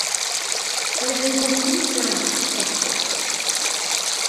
Roedd e'n gwmni da, hoffus.